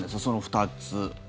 その２つ。